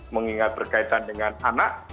mengingat berkaitan dengan anak